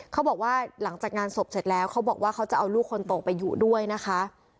เขาบอกว่าหลังจากงานศพเสร็จแล้วเขาบอกว่าเขาจะเอาลูกคนโตไปอยู่ด้วยนะคะ